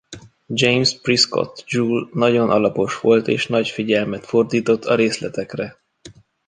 James Prescott Joule nagyon alapos volt és nagy figyelmet fordított a részletekre.